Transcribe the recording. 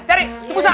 cari si usah